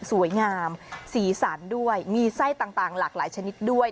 สวยงามสีสันด้วยมีไส้ต่างหลากหลายชนิดด้วย